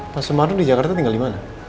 pak semarno di jakarta tinggal dimana